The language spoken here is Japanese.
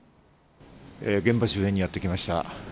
現場周辺にやってきました。